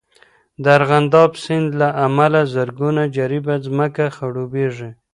د ارغنداب سیند له امله زرګونه جریبه ځمکه خړوبېږي.